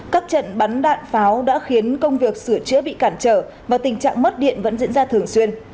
các trận bắn đạn pháo đã khiến công việc sửa chữa bị cản trở và tình trạng mất điện vẫn diễn ra thường xuyên